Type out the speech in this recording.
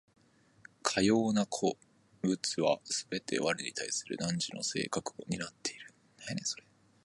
かような個物はすべて我に対する汝の性格を担っている。